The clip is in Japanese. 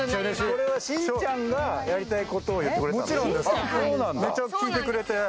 これは、真ちゃんがやりたいことを言ってくれたんだよね。